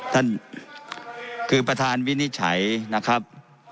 ท่านประธานคือประธานวินิจฉัยนะครับ